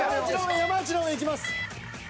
山内の上いきます。